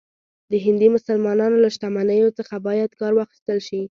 د هندي مسلمانانو له شتمنیو څخه باید کار واخیستل شي.